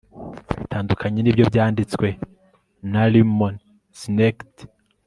bitandukanye nibyo byanditswe na lemony snicket